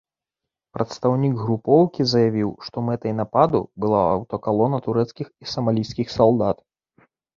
Прадстаўнік групоўкі заявіў, што мэтай нападу была аўтакалона турэцкіх і самалійскіх салдат.